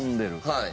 はい。